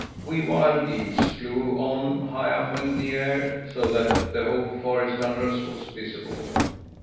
"We wild geese flew on, high up in the air, so that the whole forest under us was visible.